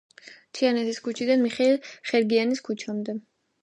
თიანეთის ქუჩიდან მიხეილ ხერგიანის ქუჩამდე.